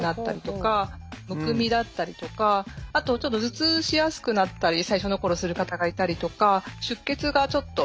むくみだったりとかあとちょっと頭痛しやすくなったり最初の頃する方がいたりとか出血がちょっと。